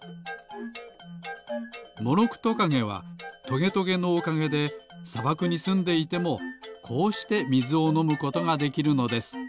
モロクトカゲはトゲトゲのおかげでさばくにすんでいてもこうしてみずをのむことができるのです。